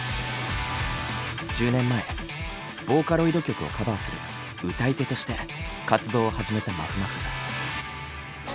１０年前ボーカロイド曲をカバーする「歌い手」として活動を始めたまふまふ。